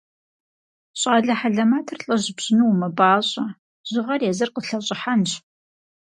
Щӏалэ хьэлэмэтыр лӏыжь пщӏыну умыпӏащӏэ, жьыгъэр езыр къылъэщӏыхьэнщ.